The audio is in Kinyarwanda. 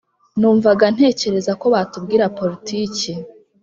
numvaga ntekereza ko batubwira politiki.